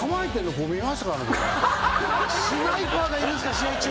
スナイパーがいるんすか試合中。